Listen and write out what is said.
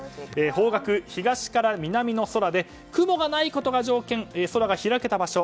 方角、東から南の空で雲がないことが条件で空が開けた場所。